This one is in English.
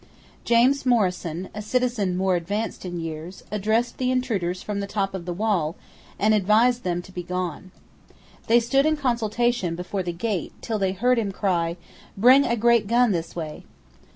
James Morison, a citizen more advanced in years, addressed the intruders from the top of the wall and advised them to be gone. They stood in consultation before the gate till they heard him cry, "Bring a great gun this way."